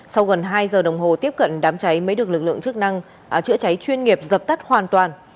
sau gần hai giờ đồng hồ tiếp cận đám cháy mới được lực lượng chức năng chữa cháy chuyên nghiệp dập tắt hoàn toàn